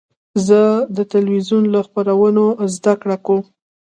زه د تلویزیون له خپرونو زده کړه کوم.